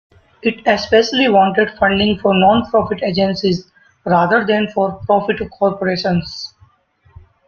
It especially wanted funding for nonprofit agencies, rather than for-profit corporations.